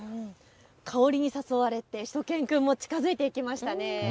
香りに誘われてしゅと犬くんも近づいていきましたね。